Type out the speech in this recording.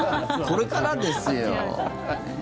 これからですよ。